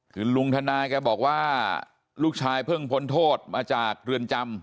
คือลุงธนายแกบอกว่าลูกชายเพิ่งพ้นโทษมาจากเรือนจำ